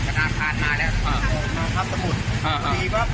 มาครับสมุทร